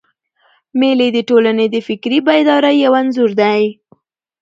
مېلې د ټولني د فکري بیدارۍ یو انځور دئ.